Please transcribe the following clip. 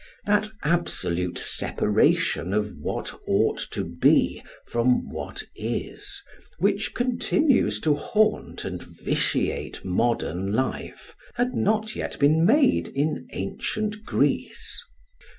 That absolute separation of what ought to be from what is which continues to haunt and vitiate modern life had not yet been made in ancient Greece.